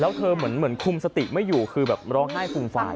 แล้วเธอเหมือนคุมสติไม่อยู่คือแบบร้องไห้ฟูมฟาย